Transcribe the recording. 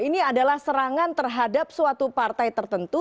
ini adalah serangan terhadap suatu partai tertentu